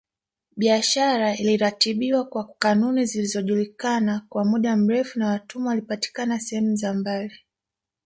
Biashara iliratibiwa kwa kanuni zilizojulikana kwa muda mrefu na watumwa walipatikana sehemu za mbali